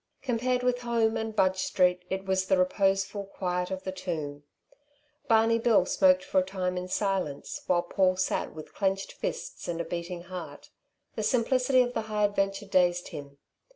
Compared with home and Budge Street, it was the reposeful quiet of the tomb. Barney Bill smoked for a time in silence, while Paul sat with clenched fists and a beating heart. The simplicity of the high adventure dazed him.